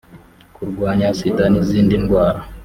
kurwanya sida n izindi ndwara